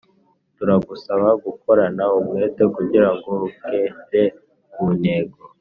Turagusaba gukorana umwete, kugira ngo ugere ku ntego.